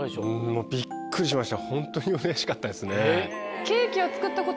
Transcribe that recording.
もうびっくりしました。